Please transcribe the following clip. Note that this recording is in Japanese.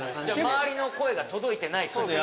周りの声が届いてない感じ？